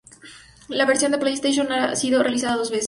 La versión de PlayStation ha sido relanzada dos veces.